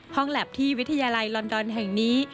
แล็บที่วิทยาลัยลอนดอนแห่งนี้